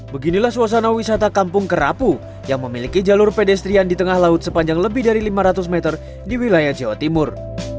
beginilah suasana wisata kampung kerapu yang memiliki jalur pedestrian di tengah laut sepanjang lebih dari lima ratus meter di wilayah jawa timur